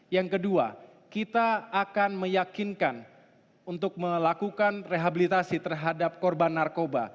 yang kedua kita akan meyakinkan untuk melakukan rehabilitasi terhadap korban narkoba